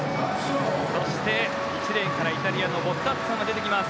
そして、１レーンからイタリアのボッタッツォが出てきます。